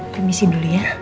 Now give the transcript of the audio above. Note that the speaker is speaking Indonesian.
kemisi dulu ya